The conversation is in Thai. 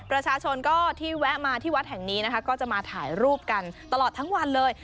ประชาชนก็ที่แวะมาที่วัดแห่งนี้นะคะก็จะมาถ่ายรูปกันตลอดทั้งวันเลย